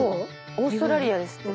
オーストラリアですって。